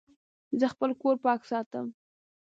زه خپل کور پاک ساتم.